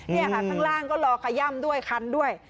นี่ค่ะข้างล่างก็รอขย่ำด้วยคันด้วย